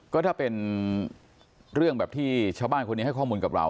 ก็ถ้าเป็นเรื่องแบบที่ชาวบ้านคนนี้ให้ข้อมูลกับเรา